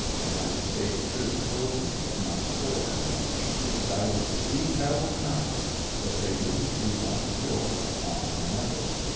United States troops told me, in my store in the morning, that I would "see hell to night;" that they wouldn't leave one store upon another.